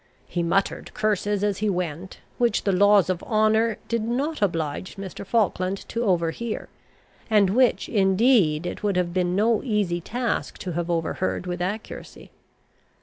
He muttered curses as he went, which the laws of honour did not oblige Mr. Falkland to overhear, and which indeed it would have been no easy task to have overheard with accuracy.